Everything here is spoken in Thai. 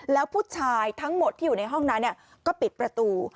แล้วผู้ชายทั้งหมดที่อยู่ในห้องนั้นก็ปิดประตู